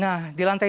nah di lantai tiga